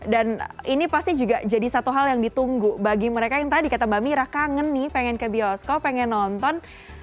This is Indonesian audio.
dan ini pasti juga jadi satu hal yang ditunggu bagi mereka yang tadi kata mba mira kangen nih pengen ke bioskop pengen nonton